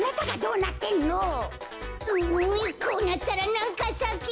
うんこうなったらなんかさけ！